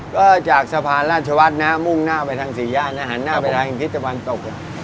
ก็จากสะพานราชวัฒน์นะฮะมุ่งหน้าไปทางสี่ย่านนะหันหน้าไปทางทิศตะวันตก